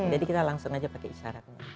jadi kita langsung aja pakai isyarat